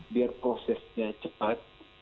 biar prosesnya cepat